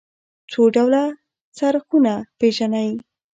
څو ډوله څرخونه پيژنئ.